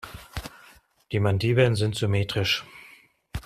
Die Mandibeln sind symmetrisch.